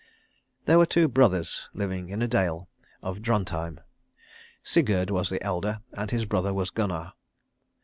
There were two brothers living in a dale of Drontheim Sigurd was the elder, and his brother was Gunnar.